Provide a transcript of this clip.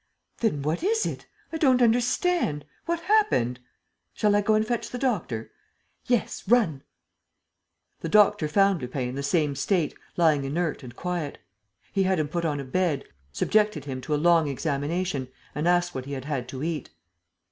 "Then what is it? I don't understand. ... What happened?" "Shall I go and fetch the doctor?" "Yes, run. ..." The doctor found Lupin in the same state, lying inert and quiet. He had him put on a bed, subjected him to a long examination and asked what he had had to eat.